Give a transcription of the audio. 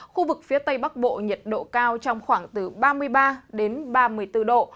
khu vực phía tây bắc bộ nhiệt độ cao trong khoảng từ ba mươi ba đến ba mươi bốn độ